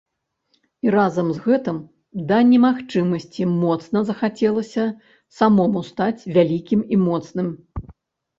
І разам з гэтым да немагчымасці моцна захацелася самому стаць вялікім і моцным.